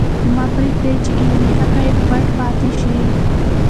مه پرېږدئ چې علمي حقایق پټ پاتې شي.